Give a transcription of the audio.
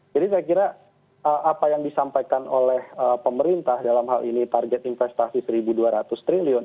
jadi saya kira apa yang disampaikan oleh pemerintah dalam hal ini target investasi rp satu dua ratus triliun